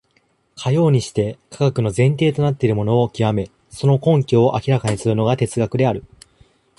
かようにして科学の前提となっているものを究め、その根拠を明らかにするのが哲学である。